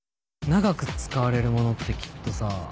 長く使われるものってきっとさ